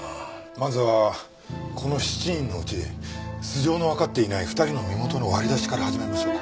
まずはこの７人のうち素性のわかっていない２人の身元の割り出しから始めましょうか。